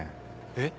えっ？